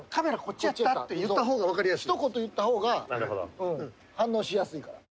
あとひと言言った方が反応しやすいから。